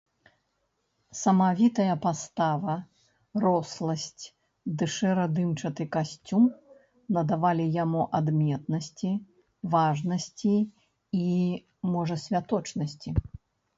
Самавітая пастава, росласць ды шэра-дымчаты касцюм надавалі яму адметнасці, важнасці і, можа, святочнасці.